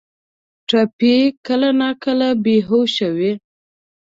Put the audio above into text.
ټپي کله ناکله بې هوشه وي.